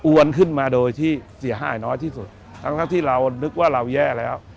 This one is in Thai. ขึ้นมาโดยที่เสียหายน้อยที่สุดทั้งที่เรานึกว่าเราแย่แล้ว